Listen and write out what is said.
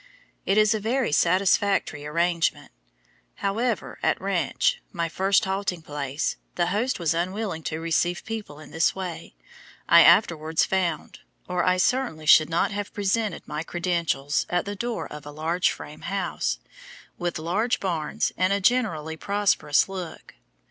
It is a very satisfactory arrangement. However, at Ranch, my first halting place, the host was unwilling to receive people in this way, I afterwards found, or I certainly should not have presented my credentials at the door of a large frame house, with large barns and a generally prosperous look.